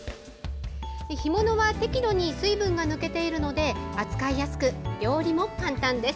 干物は適度に水分が抜けているので扱いやすく料理も簡単です。